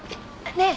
ねえ。